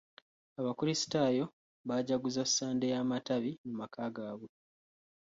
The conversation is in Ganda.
Abakrisitaayo baajaguza Sande y'amatabi mu maka gaabwe.